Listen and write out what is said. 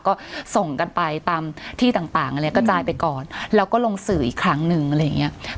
ก็ส่งกันไปตามที่ต่างอะไรก็จ่ายไปก่อนแล้วก็ลงสื่ออีกครั้งหนึ่งอะไรอย่างเงี้ย